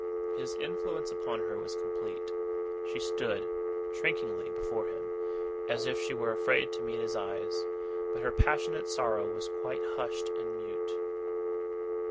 His influence upon her was complete. She stood, shrinkingly, before him, as if she were afraid to meet his eyes; but her passionate sorrow was quite hushed and mute.